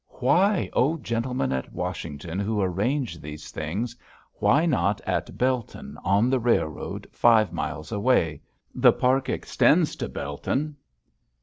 Why, O gentlemen at Washington who arrange these things, why not at Belton, on the railroad, five miles away? The park extends to Belton.